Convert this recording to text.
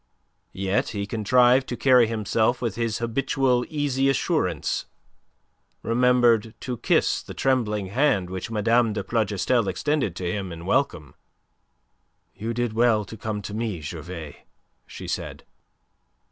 Yet he contrived to carry himself with his habitual easy assurance, remembered to kiss the trembling hand which Mme. de Plougastel extended to him in welcome. "You did well to come to me, Gervais," she said.